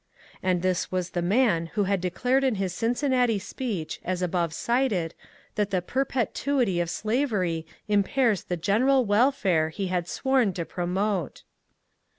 And this was the man who had declared in his Cincinnati speech, as above cited, that the ^^ perpetuity of slavery im pairs the ^^ general welfare " he had sworn to promote.